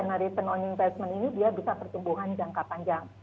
karena reason on investment ini dia bisa pertumbuhan jangka panjang